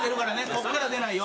こっから出ないよ。